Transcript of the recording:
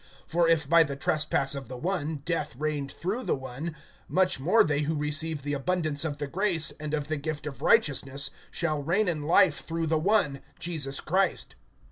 (17)For if by the trespass of the one, death reigned through the one; much more they who receive the abundance of the grace, and of the gift of righteousness, shall reign in life through the one, Jesus Christ.)